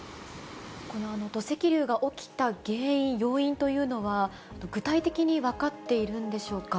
土石流が起きた原因、要因というのは、具体的に分かっているんでしょうか。